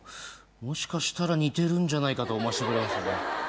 もしかしたら似てるんじゃないかと思わせてくれますよね。